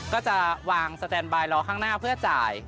ก็จะวางสแตนบายรอข้างหน้าเพื่อจ่าย